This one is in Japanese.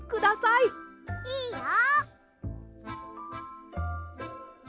いいよ。